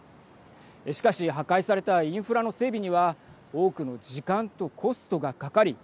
しかし破壊されたインフラの整備には多くの時間とコストがかかり